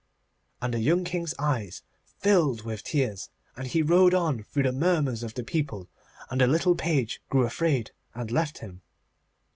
And the young King's eyes filled with tears, and he rode on through the murmurs of the people, and the little page grew afraid and left him.